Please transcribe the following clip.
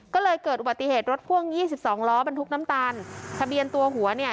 ก็เลยเกิดอุบัติเหตุรถพ่วงยี่สิบสองล้อบรรทุกน้ำตาลทะเบียนตัวหัวเนี่ย